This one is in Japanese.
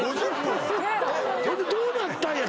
ほんでどうなったんや？